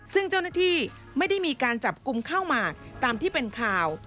ซึ่งเจ้าหน้าที่ไม่ได้มีการจับกลุ่มข้าวหมากตามที่เป็นข่าว